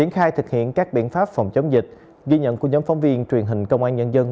những các biện pháp phòng chống dịch ghi nhận của nhóm phóng viên truyền hình công an nhân dân